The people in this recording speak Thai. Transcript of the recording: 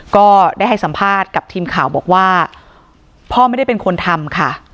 ก็ได้ให้สัมภาษณ์กับทีมข่าวบอกว่าพ่อไม่ได้เป็นคนทำค่ะ